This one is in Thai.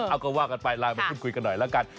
เอาก็ว่ากันไปไลน์มาพูดคุยกันหน่อยแล้วกัน